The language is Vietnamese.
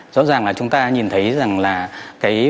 rõ ràng là chúng ta nhìn thấy